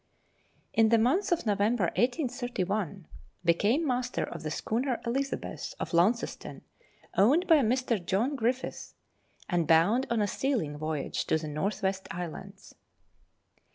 In the month of November 1831, became master of the schooner Elizabeth, of Launceston, owned by Mr. John Griffiths, and bound on a sealing voyage to the N. W. Islands.